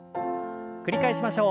繰り返しましょう。